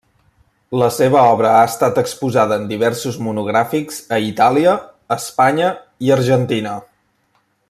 La seva obra ha estat exposada en diversos monogràfics a Itàlia, Espanya i Argentina.